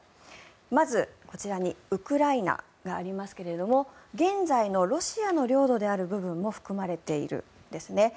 まず、こちらにウクライナがありますけども現在のロシアの領土である部分も含まれているんですね。